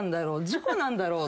事故なんだろう。